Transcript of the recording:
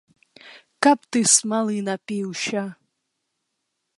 Каб ты смалы напіўся!